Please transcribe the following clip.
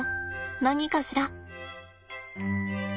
何かしら。